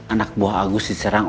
anak buah agus diserang